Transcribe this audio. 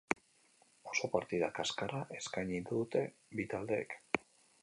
Oso partida kaskarra eskaini dute bi taldeek.